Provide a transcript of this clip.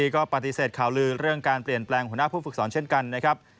ก็ปฏิเสธข่าวลือเรื่องการเปลี่ยนแปลงหัวหน้าผู้ฝึกสอนเช่นกันนะครับ